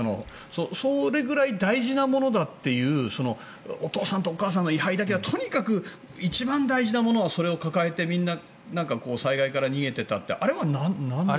それくらい大事なものだというお父さんとお母さんの位牌だけはとにかく一番大事なものはそれを抱えてみんな災害から逃げていたってあれはなんでですか？